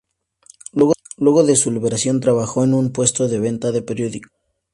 Luego de su liberación trabajó en un puesto de venta de periódicos.